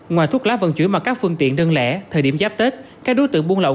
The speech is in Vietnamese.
ngoài thuốc lá vận chuyển mà các phương tiện đơn lẻ thời điểm giáp tết các đối tượng buôn lậu